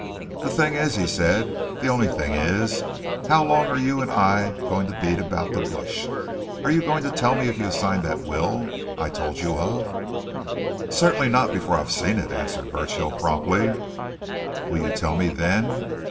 "The thing is," he said, "the only thing is how long are you and I going to beat about the bush? Are you going to tell me if you signed that will I told you of?" "Certainly not before I've seen it," answered Burchill promptly. "Will you tell me then?"